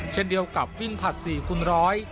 เช่นเดียวกับวิ่งผลัด๔คูณร้อย